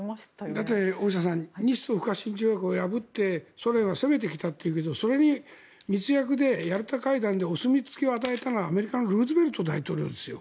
だって大下さん日ソ不可侵条約を破ってソ連は攻めてきたというけどヤルタ会談でお墨付きを与えたのはアメリカのルーズベルト大統領ですよ。